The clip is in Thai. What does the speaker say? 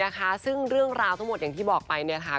นะคะซึ่งเรื่องราวทั้งหมดอย่างที่บอกไปเนี่ยค่ะ